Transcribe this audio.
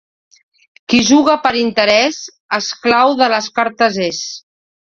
Qui juga per interès, esclau de les cartes és.